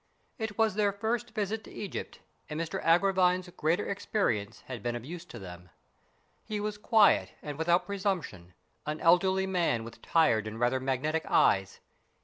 It was their first visit to Egypt, and Mr Agravine's greater experience had been of use to them. He was quiet and without presumption, an elderly man with tired and rather magnetic eyes.